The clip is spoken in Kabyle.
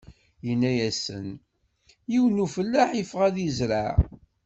Inna-asen: Yiwen n ufellaḥ iffeɣ ad izreɛ.